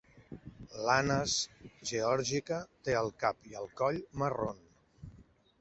L'Anas georgica té el cap i el coll marrons.